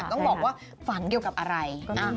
ต้องบอกว่าฝันเกี่ยวกับอะไร